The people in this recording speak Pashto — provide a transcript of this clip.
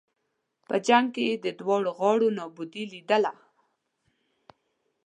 په جنګ کې یې د دواړو غاړو نابودي لېدله.